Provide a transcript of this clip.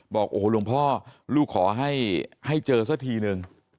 บอกโอ้โหหลวงพ่อลูกขอให้เจอสักทีนึง